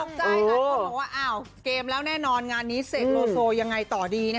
ตกใจเลยเขาบอกว่าเกมแล้วแน่นอนงานนี้เสกโลโซยังไงต่อดี